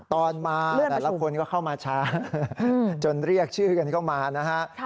ตอนมาแต่ละคนก็เข้ามาช้าจนเรียกชื่อกันเข้ามานะฮะ